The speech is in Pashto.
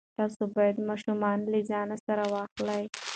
تاسو باید ماشومان له ځان سره واخلئ.